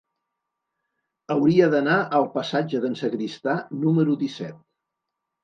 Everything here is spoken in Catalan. Hauria d'anar al passatge d'en Sagristà número disset.